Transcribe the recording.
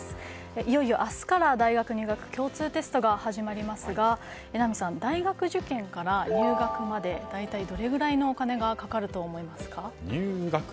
いよいよ明日から大学入学共通テストが始まりますが榎並さん大学受験から入学まで大体どれくらいのお金がかかると思いますか？